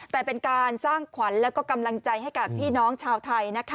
แต่เป็นการสร้างขวัญแล้วก็กำลังใจให้กับพี่น้องชาวไทยนะคะ